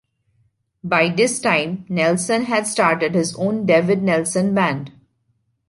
By this time, Nelson had started his own David Nelson Band.